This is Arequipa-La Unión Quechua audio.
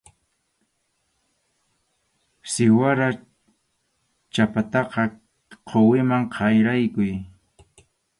Siwara chhapataqa quwiman qaraykuy.